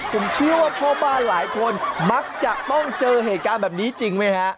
ผมเชื่อว่าพ่อบ้านหลายคนมักจะต้องเจอเหตุการณ์แบบนี้จริงไหมฮะ